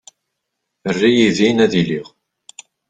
Err-iyi din ad iliɣ.